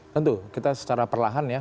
tentu kita secara perlahan ya